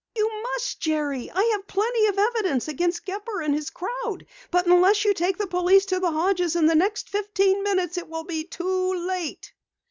"You must, Jerry. I have plenty of evidence against Gepper and his crowd, but unless you take the police to the Hodges' in the next fifteen minutes it will be too late!"